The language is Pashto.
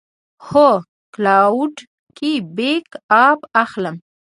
هو، کلاوډ کې بیک اپ اخلم